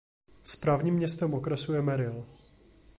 Správním městem okresu je Merrill.